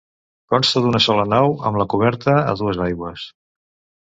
Consta d'una sola nau amb la coberta a dues aigües.